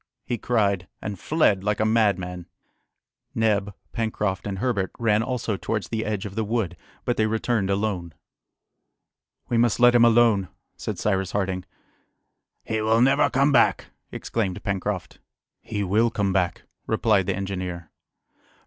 he cried, and fled like a madman. Neb, Pencroft, and Herbert ran also towards the edge of the wood but they returned alone. "We must let him alone!" said Cyrus Harding. "He will never come back!" exclaimed Pencroft. "He will come back," replied the engineer.